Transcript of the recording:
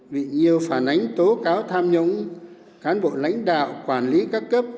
bị nhiều phản ánh tố cáo tham nhũng cán bộ lãnh đạo quản lý các cấp